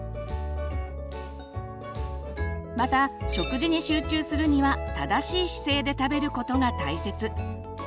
また食事に集中するには正しい姿勢で食べることが大切。